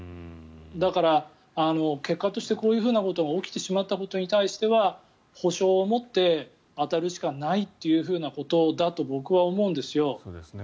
だから、結果としてこういうことが起きてしまったことに対しては補償をもって当たるしかないということだと僕は思うんですよ。